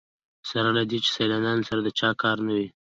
سره له دې چې سیلانیانو سره د چا کار نه وي.